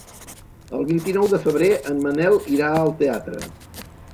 El vint-i-nou de febrer en Manel irà al teatre.